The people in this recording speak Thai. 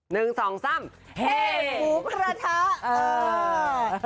๑๒๓เฮหมูกระทะ